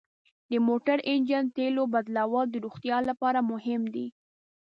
د موټر انجن تیلو بدلول د روغتیا لپاره مهم دي.